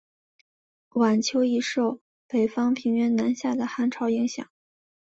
晚秋易受北方平原南下的寒潮影响。